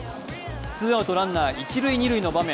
ツーアウトランナー一・二塁の場面